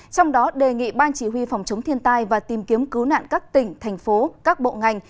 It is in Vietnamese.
trong đó đề nghị ban chỉ huy phòng chống thiên tai và tìm kiếm cứu nạn các tỉnh thành phố các bộ ngành